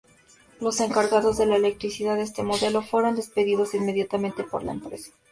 Los encargados de la electricidad de este modelo, fueron despedidos inmediatamente por la empresa.